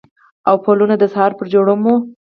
او پلونه د سهار پر جوړمه